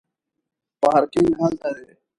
پارکینګ هلته دی